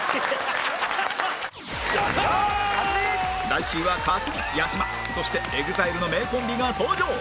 来週は克実八嶋そして ＥＸＩＬＥ の名コンビが登場